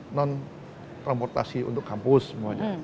untuk non komportasi untuk kampus semuanya